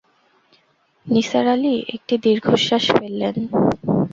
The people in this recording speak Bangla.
নিসার আলি একটি দীর্ঘশ্বাস ফেললেন।